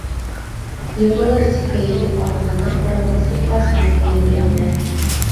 Йығылыр сиккә етеп арығанын урамға сыҡҡас ҡына тойҙо Мәҙинә.